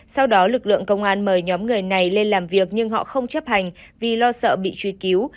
sau đó lực lượng công an mời nhóm người này lên làm việc nhưng họ không chấp hành vì lo sợ bị truy cứu